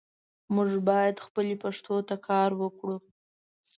باید مونږ خپلې پښتو ته کار وکړو.